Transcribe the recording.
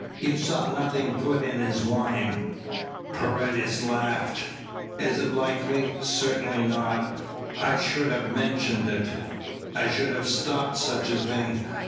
"You saw nothing put in his wine?" Paredes laughed. "Is it likely? Certainly not. I should have mentioned it. I should have stopped such a thing.